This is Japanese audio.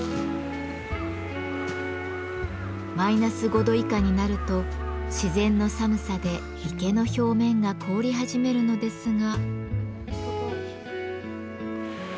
マイナス５度以下になると自然の寒さで池の表面が凍り始めるのですが。